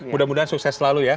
mudah mudahan sukses selalu ya